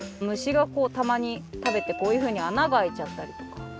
むしがこうたまにたべてこういうふうにあながあいちゃったりとか。